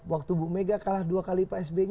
waktu bu mega kalah dua kali pak sby